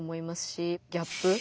ギャップ？